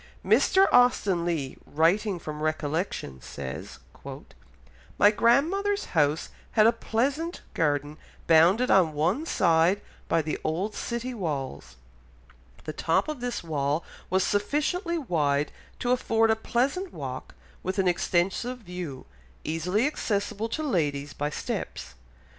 Mr. Austen Leigh, writing from recollection, says: "My grandmother's house had a pleasant garden bounded on one side by the old city walls; the top of this wall was sufficiently wide to afford a pleasant walk, with an extensive view, easily accessible to ladies by steps....